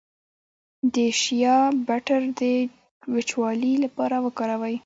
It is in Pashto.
د شیا بټر د وچوالي لپاره وکاروئ